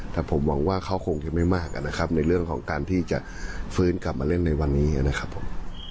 แต่ผมหวังว่าเขาคงจะไม่มากนะครับในเรื่องของการที่จะฟื้นกลับมาเล่นในวันนี้นะครับผม